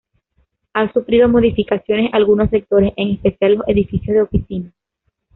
Han sufrido modificaciones algunos sectores, en especial los edificios de oficinas.